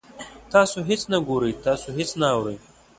تاسو هیڅ نه ګورئ، تاسو هیڅ نه اورئ